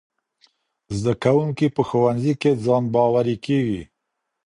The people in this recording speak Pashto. زدهکوونکي په ښوونځي کي ځان باوري کیږي.